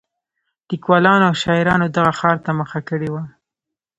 لیکوالانو او شاعرانو دغه ښار ته مخه کړې وه.